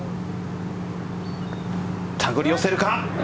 手繰り寄せるか。